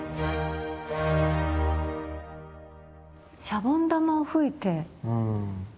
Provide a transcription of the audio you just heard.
シャボン玉を吹いて。